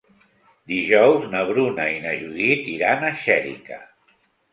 Dijous na Bruna i na Judit iran a Xèrica.